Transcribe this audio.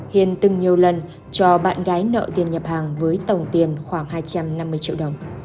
hiền từng nhiều lần cho bạn gái nợ tiền nhập hàng với tổng tiền khoảng hai trăm năm mươi triệu đồng